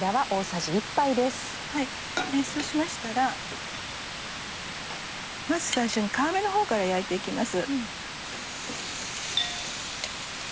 そうしましたらまず最初に皮目のほうから焼いて行きます。